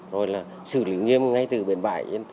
rồi là xử lý nghiêm ngay từ bền bãi